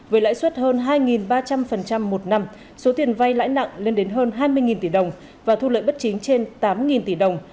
với lãi suất hơn hai ba trăm linh một năm số tiền vay lãi nặng lên đến hơn hai mươi tỷ đồng và thu lợi bất chính trên tám tỷ đồng